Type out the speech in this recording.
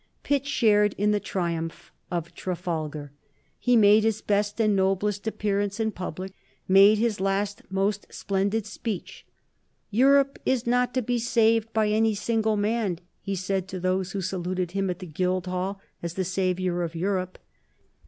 Pitt shared in the triumph of Trafalgar; he made his best and noblest appearance in public; made his last most splendid speech: "Europe is not to be saved by any single man," he said to those who saluted him at the Guildhall as the savior of Europe.